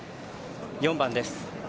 ４番です。